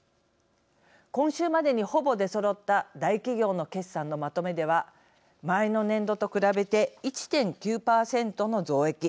今週までにほぼ出そろった大企業の決算のまとめでは前の年度と比べて１．９％の増益。